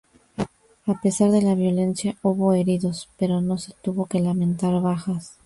A pesar de la violencia, hubo heridos pero no se tuvo que lamentar bajas.